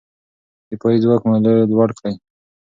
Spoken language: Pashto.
دفاعي ځواک مو لوړ کړئ.